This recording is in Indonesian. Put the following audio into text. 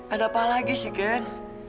ada apa lagi si ken